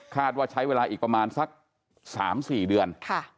ว่าใช้เวลาอีกประมาณสัก๓๔เดือน